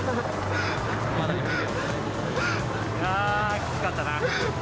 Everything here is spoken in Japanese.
きつかったな。